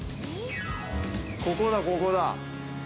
ここだ、ここだ。